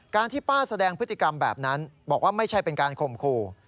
ที่ป้าแสดงพฤติกรรมแบบนั้นบอกว่าไม่ใช่เป็นการข่มขู่